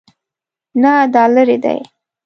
نه، دا لیرې دی